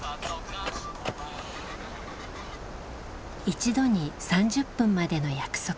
一度に３０分までの約束。